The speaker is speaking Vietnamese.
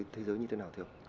thế giới như thế nào